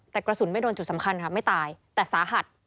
แต่กระสุนไม่โดนจุดสำคัญค่ะไม่ตายแต่สาหัส